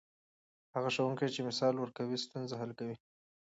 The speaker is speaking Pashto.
هغه ښوونکی چې مثال ورکوي، ستونزه حل کوي.